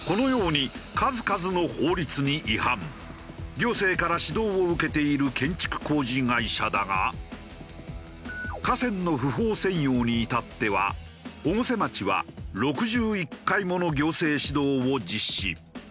行政から指導を受けている建築工事会社だが河川の不法占用に至っては越生町は６１回もの行政指導を実施。